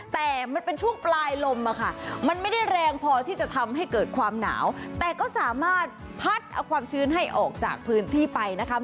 แต่มันเป็นช่วงปลายลมอะค่ะมันไม่ได้แรงพอที่จะทำให้เกิดความหนาวแต่ก็สามารถพัดเอาความชื้นให้ออกจากพื้นที่ไปนะคะ